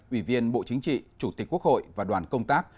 ủy viên bộ chính trị chủ tịch quốc hội và đoàn công tác